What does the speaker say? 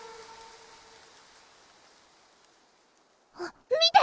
あっ見て！